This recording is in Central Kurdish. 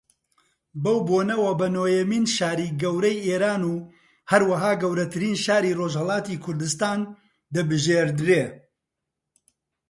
بەو بۆنەوە بە نۆیەمین شاری گەورەی ئێران و ھەروەھا گەورەترین شاری ڕۆژھەڵاتی کوردستان دەبژێردرێ